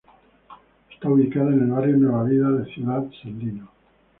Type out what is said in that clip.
Está ubicada en el barrio Nueva Vida de Ciudad Sandino.